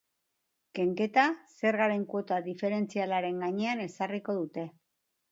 Kenketa zergaren kuota diferentzialaren gainean ezarriko dute.